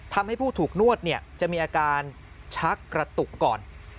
ทำให้ผู้ถูกนวดจะมีอาการชักกระตุกก่อน